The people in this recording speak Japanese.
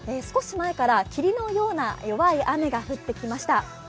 少し前から霧のような弱い雨が降ってきました。